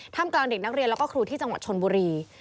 กลางเด็กนักเรียนแล้วก็ครูที่จังหวัดชนบุรี